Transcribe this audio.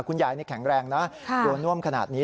คุณยายนี่แข็งแรงนะโดนน่วมขนาดนี้